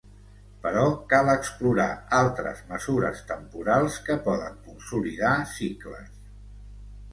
Però cal explorar altres mesures temporals que poden consolidar cicles.